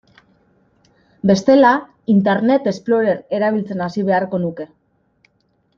Bestela, Internet Explorer erabiltzen hasi beharko nuke.